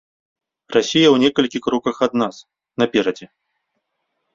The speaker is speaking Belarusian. Расія ў некалькіх кроках ад нас, наперадзе.